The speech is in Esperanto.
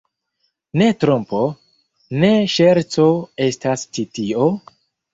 Ne trompo, ne ŝerco estas ĉi tio?